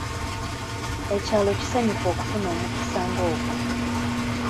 Ekyalo kisanyufu okufuna omukisa nga ogwo.